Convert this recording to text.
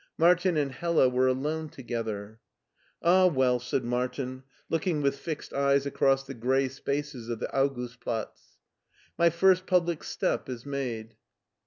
Martin and Hella were alone together. "Ah! well," said Martin, looking with fixed eyes across the gray spaces of the Augustplatz, " my first public step is made."